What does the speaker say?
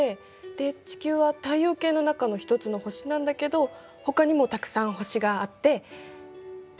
で地球は太陽系の中の一つの星なんだけどほかにもたくさん星があってで。